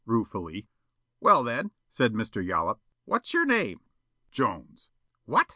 ruefully. "Well, then," said Mr. Yollop, "what is your name?" "Jones." "What?"